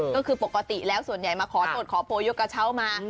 ก็คือปกติแล้วส่วนใหญ่มาขอโทษขอโพยกกระเช้ามา